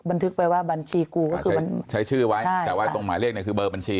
บันทึกไปว่าบัญชีกูก็คือมันใช้ชื่อไว้ใช่แต่ว่าตรงหมายเลขเนี่ยคือเบอร์บัญชี